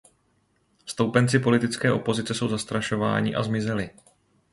Stoupenci politické opozice jsou zastrašováni a zmizeli.